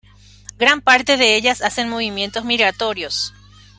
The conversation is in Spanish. Gran parte de ellas hacen movimientos migratorios.